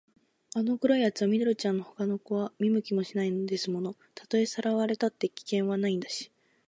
あの黒いやつは緑ちゃんのほかの子は見向きもしないんですもの。たとえさらわれたって、危険はないんだし、